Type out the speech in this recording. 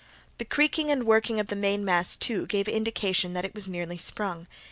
The creaking and working of the mainmast, too, gave indication that it was nearly sprung.